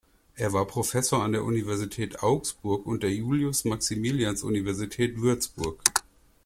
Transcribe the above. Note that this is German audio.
Er war Professor an der Universität Augsburg und der Julius-Maximilians-Universität Würzburg.